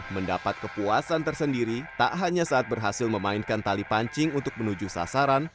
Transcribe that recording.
mendapat kepuasan tersendiri tak hanya saat berhasil memainkan tali pancing untuk menuju sasaran